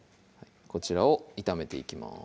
こちらを炒めていきます